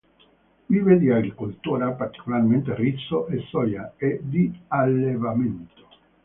Vive di agricoltura, particolarmente riso e soia, e di allevamento.